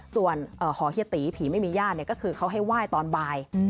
ส่วนหอเฮียตีผีไม่มีญาติก็คือเขาให้ไหว้ตอนบ่าย